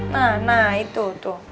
nah nah itu tuh